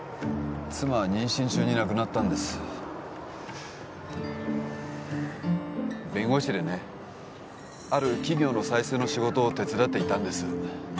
妻は妊娠中に亡くなったんです弁護士でねある企業の再生の仕事を手伝っていたんです